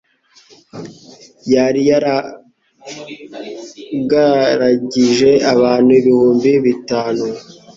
yari yarahagirije abantu ibihumbi bitanu.